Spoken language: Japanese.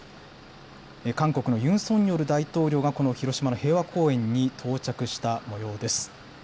韓国のユン・ソンニョル大統領がこの広島の平和公園に到着したもようです。